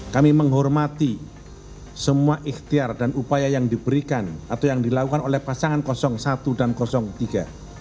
kami menghormati semua ikhtiar dan upaya yang diberikan atau yang dilakukan oleh pasangan satu dan tiga